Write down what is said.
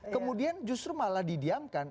kemudian justru malah didiamkan